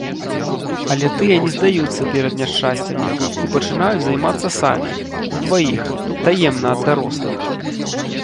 Але тыя не здаюцца перад няшчасцямі і пачынаюць займацца самі, удваіх, таемна ад дарослых.